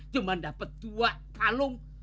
cuman dapet dua kalung